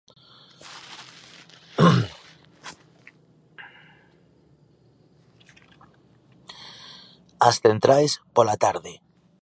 As centrais, pola tarde.